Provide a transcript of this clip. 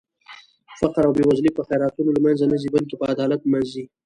فقر او بې وزلي په خيراتونو لمنخه نه ځي بلکې په عدالت لمنځه ځي